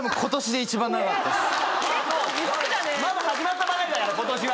まだ始まったばかりだからことしは。